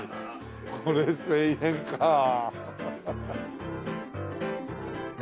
これ１０００円かあ。ハハハ。